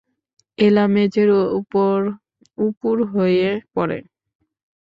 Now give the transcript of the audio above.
এলা মেঝের উপর উপুড় হয়ে পড়ে।